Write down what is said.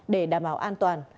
để đảm bảo an toàn